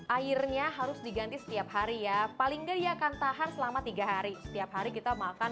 airnya harus diganti setiap hari ya paling nggak dia akan tahan selama tiga hari setiap hari kita makan